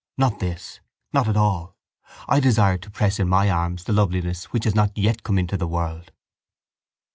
Not this. Not at all. I desire to press in my arms the loveliness which has not yet come into the world.